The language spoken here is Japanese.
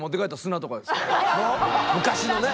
昔のね